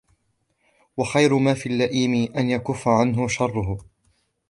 وَخَيْرُ مَا فِي اللَّئِيمِ أَنْ يَكُفَّ عَنْك شَرَّهُ